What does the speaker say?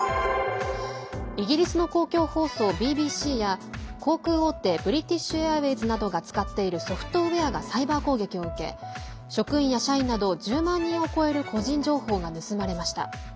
イギリスの公共放送ＢＢＣや航空大手ブリティッシュ・エアウェイズなどが使っているソフトウエアがサイバー攻撃を受け職員や社員など１０万人を超える個人情報が盗まれました。